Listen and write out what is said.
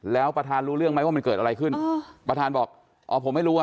แล้วประธานรู้เรื่องไหมว่ามันเกิดอะไรขึ้นประธานบอกอ๋อผมไม่รู้อ่ะ